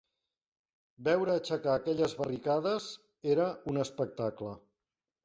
Veure aixecar aquelles barricades era un espectacle